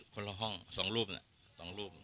ตรงนี้อยู่คนละห้อง๒รูป